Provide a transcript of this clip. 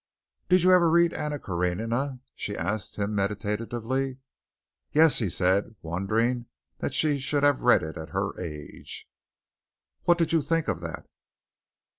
"Did you ever read 'Anna Karénina'?" she asked him meditatively. "Yes," he said, wondering that she should have read it at her age. "What did you think of that?"